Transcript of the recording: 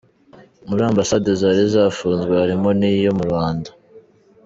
Muri Ambasade zari zarafunzwe harimo n’iyo mu Rwanda.